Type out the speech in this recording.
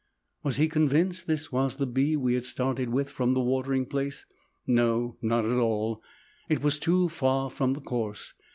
Was he convinced this was the bee we had started with from the watering place? No, not at all. It was too far from the course.